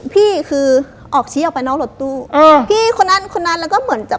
พี่คือออกชี้ออกไปนอกรถตู้อ่าพี่คนนั้นคนนั้นแล้วก็เหมือนจะ